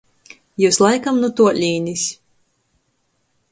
Jius laikam nu tuolīnis.